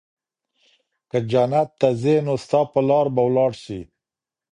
که جنت ته ځي نو ستا په لار به ولاړ سي